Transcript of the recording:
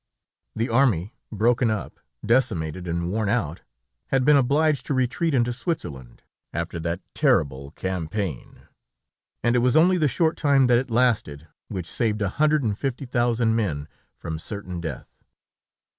The army, broken up, decimated and worn out, had been obliged to retreat into Switzerland, after that terrible campaign, and it was only the short time that it lasted, which saved a hundred and fifty thousand men from certain death.